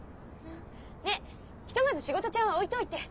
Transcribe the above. ねえひとまず仕事ちゃんは置いといて食べよう！